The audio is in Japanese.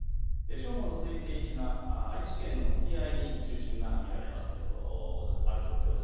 正午の推定位置が愛知県の沖合に中心が見られる状況です。